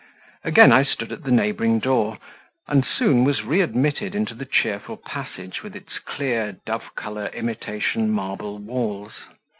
Again I stood at the neighbouring door, and soon was re admitted into the cheerful passage with its clear dove colour imitation marble walls.